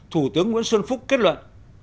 thủ tướng nguyễn xuân phúc kết luận